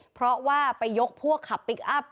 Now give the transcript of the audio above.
เพราะว่าไปยกพวกขับพลิกอัพ